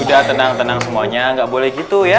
udah tenang tenang semuanya nggak boleh gitu ya